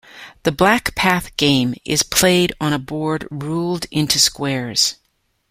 The Black Path Game is played on a board ruled into squares.